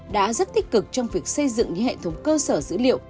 đã rất tích cực trong việc xây dựng những hệ thống cơ sở dữ liệu